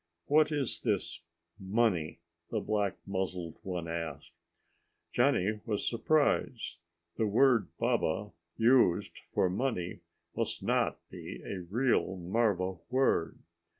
"What is this money?" the black muzzled one asked. Johnny was surprised. The word Baba used for money must not be a real marva word.